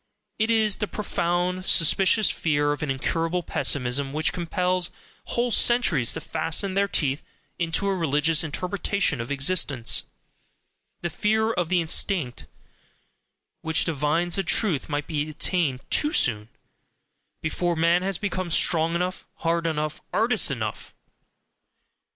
It is the profound, suspicious fear of an incurable pessimism which compels whole centuries to fasten their teeth into a religious interpretation of existence: the fear of the instinct which divines that truth might be attained TOO soon, before man has become strong enough, hard enough, artist enough....